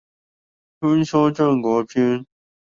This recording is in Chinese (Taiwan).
春秋戰國篇